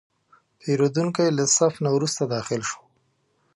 پیرودونکی له صف نه وروسته داخل شو.